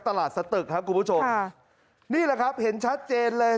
สตึกครับคุณผู้ชมค่ะนี่แหละครับเห็นชัดเจนเลย